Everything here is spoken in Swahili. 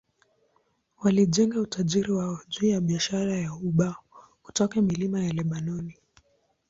Walijenga utajiri wao juu ya biashara ya ubao kutoka milima ya Lebanoni.